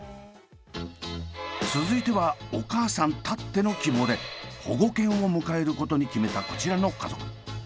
続いてはお母さんたっての希望で保護犬を迎えることに決めたこちらの家族。